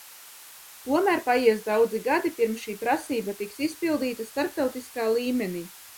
Tomēr paies daudzi gadi, pirms šī prasība tiks izpildīta starptautiskā līmenī.